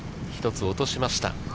１つ落としました。